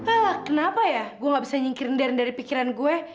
ah kenapa ya gue gak bisa nyingkirin daren dari pikiran gue